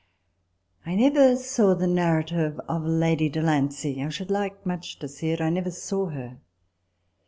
I never saw the narrative of Lady de Lancy ; [I should like much to see it.f I never saw her.